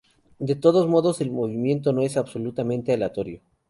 De todos modos, el movimiento no es absolutamente aleatorio.